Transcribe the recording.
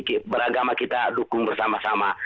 kita beragama kita dukung bersama sama